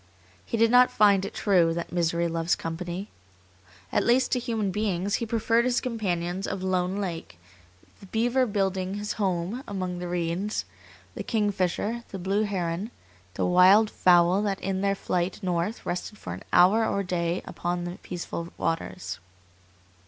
He did not find it true that misery loves company. At least to human beings he preferred his companions of Lone Lake the beaver building his home among the reeds, the kingfisher, the blue heron, the wild fowl that in their flight north rested for an hour or a day upon the peaceful waters.